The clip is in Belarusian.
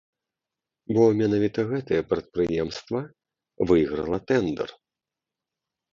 Бо менавіта гэтае прадпрыемства выйграла тэндэр.